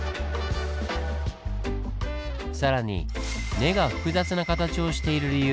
更に根が複雑な形をしている理由